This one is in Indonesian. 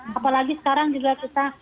tapi sekarang juga kita